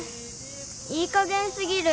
いいかげんすぎる！